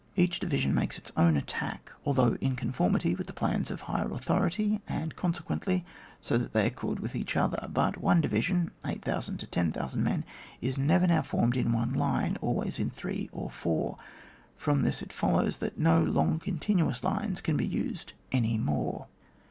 Each division makes its own attack, although in conformity with the plans of higher authority, and consequently so that they accord with each odier. But one division (8000 to 10,000 men) is never now formed in one line, always in three or four; from this it follows that no long continuous lines can be used any more.